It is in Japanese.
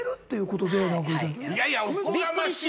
いやいやおこがましい！